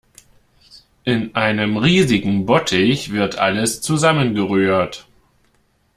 In einem riesigen Bottich wird alles zusammengerührt.